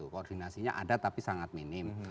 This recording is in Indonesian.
koordinasinya ada tapi sangat minim